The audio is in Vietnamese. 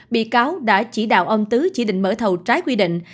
bị cáo đã chỉ đạo ông tứ chỉ định mở thầu trái quy định